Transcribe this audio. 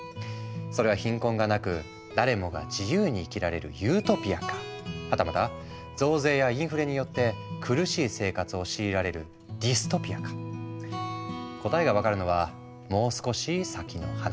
それは貧困がなく誰もが自由に生きられるユートピアかはたまた増税やインフレによって苦しい生活を強いられるディストピアか答えが分かるのはもう少し先の話。